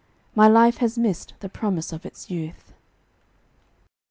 My life has missed the promise of its youth.